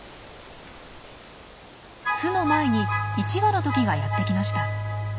巣の前に１羽のトキがやって来ました。